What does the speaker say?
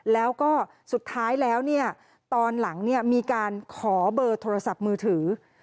แล้วก็สุดท้ายแล้วตอนหลังมีการขอเบอร์โทรศัพท์มือถือ